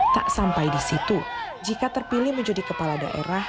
tak sampai di situ jika terpilih menjadi kepala daerah